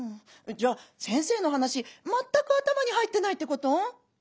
じゃあ先生の話全く頭に入ってないってこと？